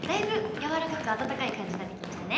柔らかく温かい感じになってきましたね。